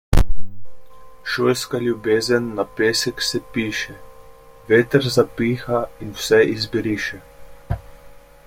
Šolska ljubezen na pesek se piše, veter zapiha in vse izbriše.